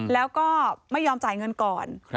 แล้วก็ไม่ยอมจ่ายเงินก่อน